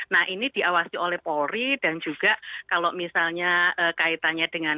nah ini diawasi oleh polri dan juga kalau misalnya kaitannya dengan